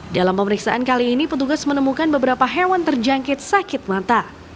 dalam pemeriksaan kali ini petugas menemukan beberapa hewan terjangkit sakit mata